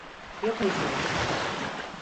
Yapın şunu!